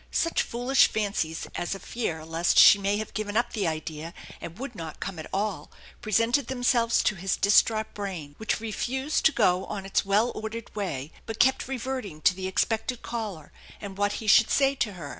Such foolish fancies as a featf lest she might have given up the idea and would not come at all presented themselves to his distraught brain, which refused to go on its well ordered way, but kept reverting to the ex* pected caller and what he should say to her.